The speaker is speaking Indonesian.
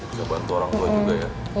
juga bantu orang tua juga ya